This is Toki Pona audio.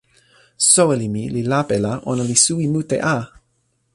soweli mi li lape la ona li suwi mute a!